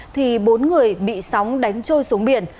thì bốn người bị sóng đánh trôi xuống biển